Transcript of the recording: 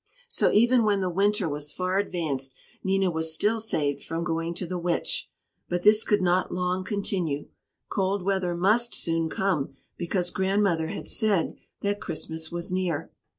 So, even when the winter was far advanced, Nina was still saved from going to the Witch; but this could not long continue. Cold weather must soon come, because Grandmother had said that Christmas was near.